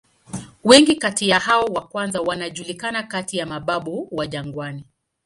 Wengi kati ya hao wa kwanza wanajulikana kati ya "mababu wa jangwani".